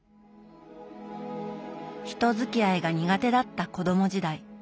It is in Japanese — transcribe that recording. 人づきあいが苦手だった子ども時代。